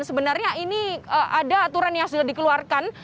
sebenarnya ini ada aturan yang sudah dikeluarkan